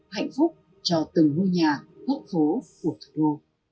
hạnh phúc cho từng ngôi nhà góc phố của thủ đô